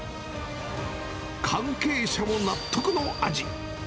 関係者も納得の味。